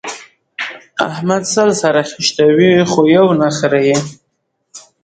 احمد سل سره خيشتوي؛ خو يو نه خرېي.